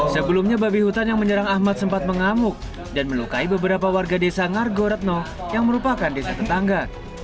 sebelumnya babi hutan yang menyerang ahmad sempat mengamuk dan melukai beberapa warga desa ngargoretno yang merupakan desa tetangga